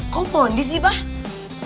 kok bondi sih bang